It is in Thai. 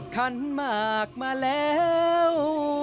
คันหมากมาแล้ว